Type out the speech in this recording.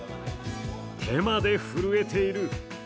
手まで震えている。